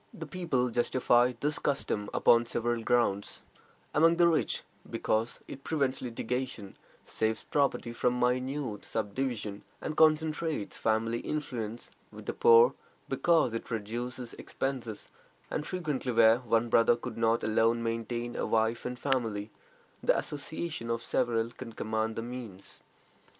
The people justify this custom upon several grounds: among the rich, because it prevents litigation, saves property from minute subdivision, and concentrates family influence; with the poor, because it reduces expenses, and frequently where one brother could not alone maintain a wife and family, the association of several can command the means.